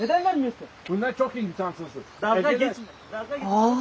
・ああ。